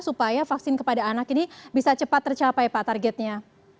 supaya vaksin kepada anak ini bisa cepat tercapai pak targetnya